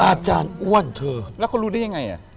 อาจารย์อ้วนเธอแล้วเขารู้ได้ยังไง